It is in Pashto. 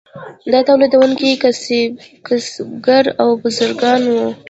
دا تولیدونکي کسبګر او بزګران وو.